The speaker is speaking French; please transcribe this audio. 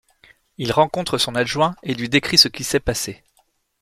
Il rencontre son adjoint et lui décrit ce qui s’est passé.